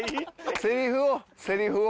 セリフをセリフを。